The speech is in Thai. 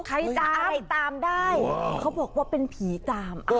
ตามใครตามได้เขาบอกว่าเป็นผีจาม